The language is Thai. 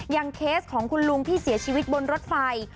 เคสของคุณลุงที่เสียชีวิตบนรถไฟ